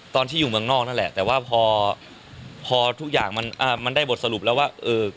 ตอนที่อยู่เมืองนอกนั่นแหละแต่ว่าพอพอทุกอย่างมันได้บทสรุปแล้วว่าเออ